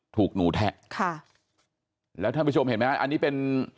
ถูกหนูแทะค่ะแล้วท่านผู้ชมเห็นไหมฮะอันนี้เป็น